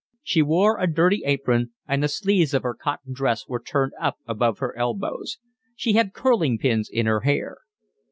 She wore a dirty apron, and the sleeves of her cotton dress were turned up above her elbows; she had curling pins in her hair.